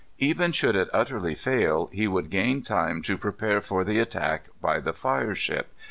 Even should it utterly fail, he would gain time to prepare for the attack by the fire ship.